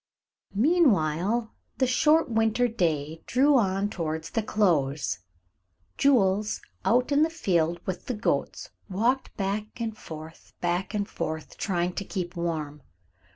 Meanwhile the short winter day drew on towards the close. Jules, out in the field with the goats, walked back and forth, back and forth, trying to keep warm.